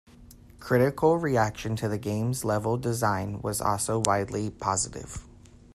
Critical reaction to the game's level design was also widely positive.